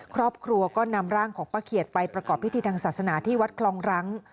ครอบครัวก็นำร่างของป้าเขียดไปประกอบพิธีทางศาสนาที่วัดคลองรัง